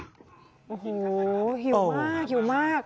โอ้โหหิวมากหิวมาก